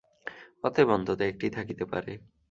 অতএব অনন্ত একটিই থাকিতে পারে।